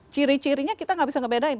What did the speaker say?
ciri cirinya kita gak bisa ngebedain